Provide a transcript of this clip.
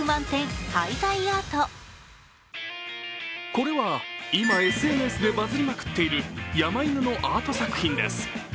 これは今、ＳＮＳでバズりまくっている山犬のアート作品です。